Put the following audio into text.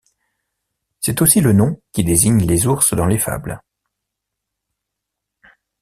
C'est aussi le nom qui désigne les ours dans les fables.